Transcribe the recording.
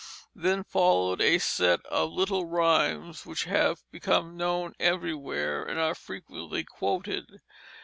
Then followed a set of little rhymes which have become known everywhere, and are frequently quoted.